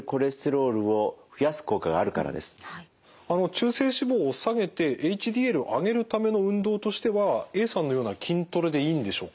中性脂肪を下げてＨＤＬを上げるための運動としてはＡさんのような筋トレでいいんでしょうか？